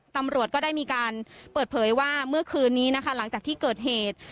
ตำรวจก็ได้มีการเปิดเผยว่าเมื่อคืนนี้นะคะหลังจากที่เกิดเหตุ